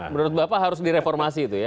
menurut bapak harus direformasi itu ya